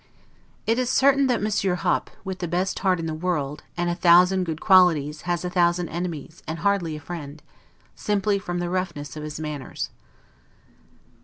It is certain that Monsieur Hop, with the best heart in the world, and a thousand good qualities, has a thousand enemies, and hardly a friend; simply from the roughness of his manners.